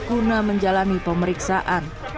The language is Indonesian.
guna menjalani pemeriksaan